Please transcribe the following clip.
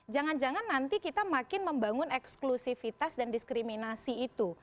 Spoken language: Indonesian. jangan jangan nanti kita makin membangun eksklusifitas dan diskriminasi itu